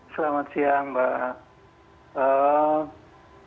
selamat siang mbak